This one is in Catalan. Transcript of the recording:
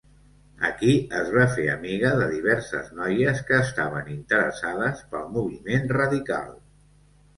Aquí es va fer amiga de diverses noies que estaven interessades pel moviment radical.